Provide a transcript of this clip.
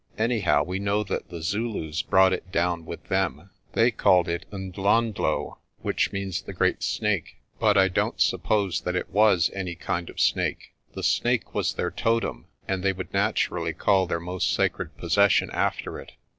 Anyhow, we know that the Zulus brought it down with them. They called it Ndhlondhlo, which means the Great Snake, but I don't suppose that it was any kind of snake. The snake was their totem, and they would naturally call their most sacred possession after it.